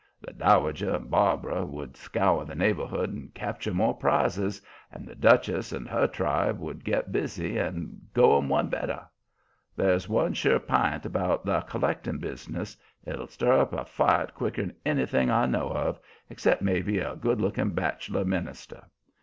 The Dowager and Barbara would scour the neighborhood and capture more prizes, and the Duchess and her tribe would get busy and go 'em one better. That's one sure p'int about the collecting business it'll stir up a fight quicker'n anything I know of, except maybe a good looking bachelor minister.